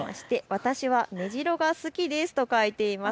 私はメジロが好きですと書いています。